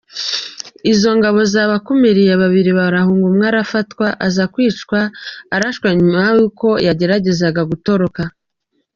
Izo ngabo zabakumiriye, babiri barahunga umwe arafatwa aza kwicwa arashwe nyuma ubwo yageragezaga gutoroka.